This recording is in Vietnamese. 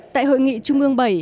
tại hội nghị trung ương bảy